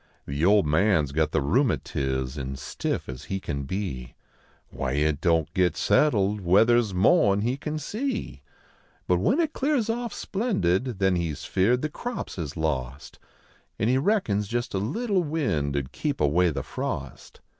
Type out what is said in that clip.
The old man s got the rheumatix, an stiff as he can be ; Why it don t git settled weather s moah n he can see? But when it clears oft spk ndid, then he s feared the crops is lost An he reckons jest a little wind nd keep away the frost.